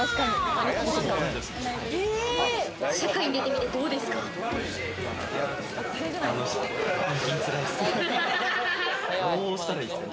社会に出てみてどうですか？